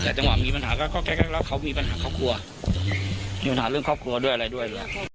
แต่จังหวะมีปัญหาก็คล้ายว่าเขามีปัญหาครอบครัวมีปัญหาเรื่องครอบครัวด้วยอะไรด้วย